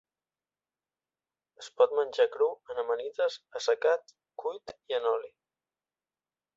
Es pot menjar cru en amanides, assecat, cuit i en oli.